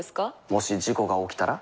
もし事故が起きたら？